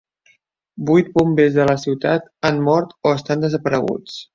Vuit bombers de la ciutat han mort o estan desapareguts.